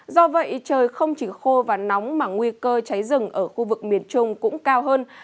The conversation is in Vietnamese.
do vậy trời không chỉ khô và nóng mà nguy cơ cháy rừng ở khu vực miền trung cũng cao hơn